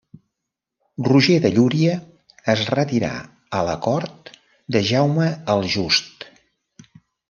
Roger de Llúria es retirà a la cort de Jaume el Just.